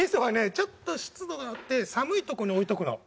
ちょっと湿度があって寒いとこに置いとくの。